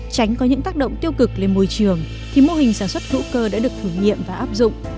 tránh có những tác động tiêu cực lên môi trường thì mô hình sản xuất hữu cơ đã được thử nghiệm và áp dụng